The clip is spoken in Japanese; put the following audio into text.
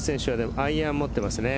アイアン持ってますね。